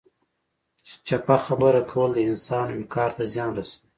چپه خبره کول د انسان وقار ته زیان رسوي.